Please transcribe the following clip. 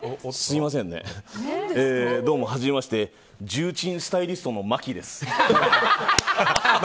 どうも、はじめまして重鎮スタイリストのマキです。